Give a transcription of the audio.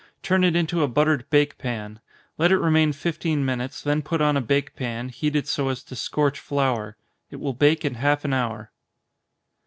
Turn it into a buttered bake pan let it remain fifteen minutes, then put on a bake pan, heated so as to scorch flour. It will bake in half an hour.